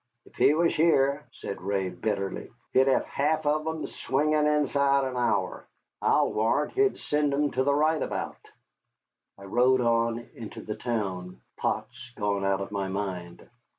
"If he was here," said Ray, bitterly, "he'd have half of 'em swinging inside of an hour. I'll warrant he'd send 'em to the right about." I rode on into the town, Potts gone out of my mind.